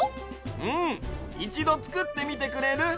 うんいちどつくってみてくれる？